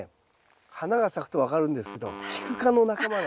花が咲くと分かるんですけどキク科の仲間なんですね。